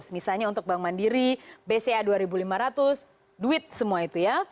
misalnya untuk bank mandiri bca dua ribu lima ratus duit semua itu ya